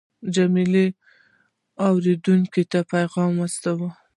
جمله اورېدونکي ته پیغام رسوي.